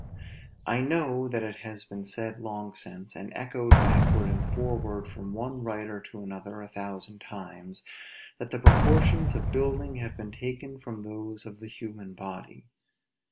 I know that it has been said long since, and echoed backward and forward from one writer to another a thousand times, that the proportions of building have been taken from those of the human body.